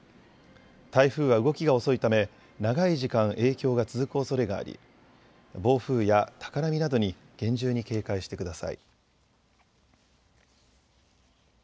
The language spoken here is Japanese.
台風は動きが遅いため長い時間、影響が続くおそれがあり暴風や高波などに厳重に警戒してください。